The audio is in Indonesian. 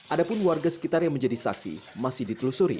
ada pun warga sekitar yang menjadi saksi masih ditelusuri